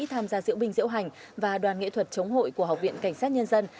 tham gia diễu binh diễu hành và đoàn nghệ thuật chống hội của học viện cảnh sát nhân dân